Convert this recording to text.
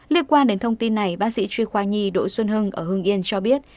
liên quan đến thông tin này bác sĩ chuyên khoa nhi đỗ xuân hưng ở hương yên cho biết